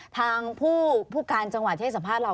ทางผู้การจังหวัดที่ให้สัมภาษณ์เรา